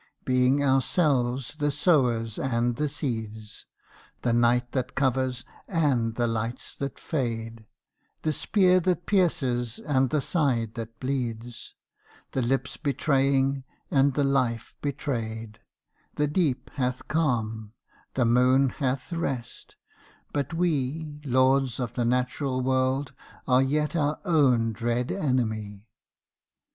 Being ourselves the sowers and the seeds, The night that covers and the lights that fade, The spear that pierces and the side that bleeds, The lips betraying and the life betrayed; The deep hath calm: the moon hath rest: but we Lords of the natural world are yet our own dread enemy.